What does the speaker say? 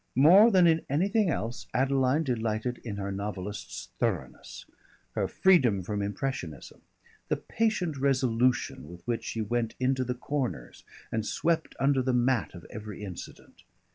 More than in anything else, Adeline delighted in her novelist's thoroughness, her freedom from impressionism, the patient resolution with which she went into the corners and swept under the mat of every incident.